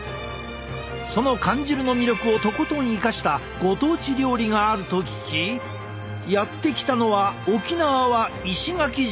その缶汁の魅力をとことん生かしたご当地料理があると聞きやって来たのは沖縄は石垣島！